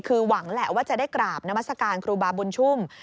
คือหวังแหละว่าจะได้กราบนามัศกาลครูบาบุญชุ่ม